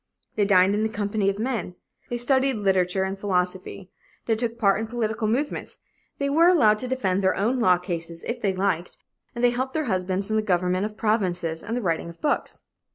They dined in the company of men. They studied literature and philosophy. They took part in political movements. They were allowed to defend their own law cases if they liked, and they helped their husbands in the government of provinces and the writing of books."